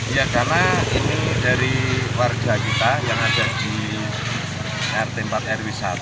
ya karena ini dari warga kita yang ada di rt empat rw satu